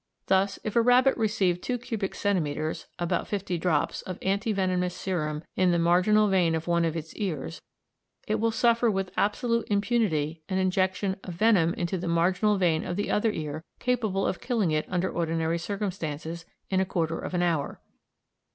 Thus, if a rabbit receive two cubic centimetres (about fifty drops) of anti venomous serum in the marginal vein of one of its ears, it will suffer with absolute impunity an injection of venom into the marginal vein of the other ear capable of killing it under ordinary circumstances in a quarter of an hour.